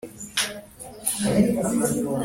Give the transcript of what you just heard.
tuzaguterekera tugeze ryari?